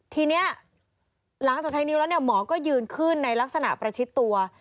ทีนี้หลังจากใช้นิ้วแล้วเนี่ยหมอก็ยืนขึ้นในลักษณะประชิดตัว